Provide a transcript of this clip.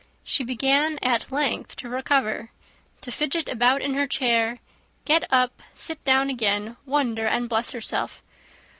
She began at length to recover, to fidget about in her chair, get up, sit down again, wonder, and bless herself.